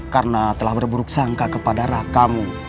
karena telah berburuk sangka kepada ra kamu